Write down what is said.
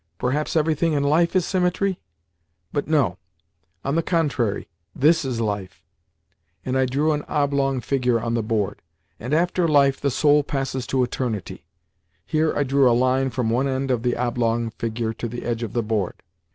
Perhaps everything in life is symmetry? But no. On the contrary, this is life"—and I drew an oblong figure on the board—"and after life the soul passes to eternity"—here I drew a line from one end of the oblong figure to the edge of the board.